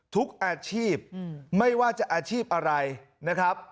ทุกอาชีพไม่ว่าจะอาชีพอะไรนะครับ